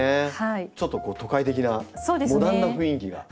ちょっと都会的なモダンな雰囲気が。